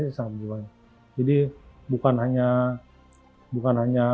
jadi bukan hanya dari semata hari kita tahan lagi